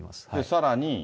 さらに。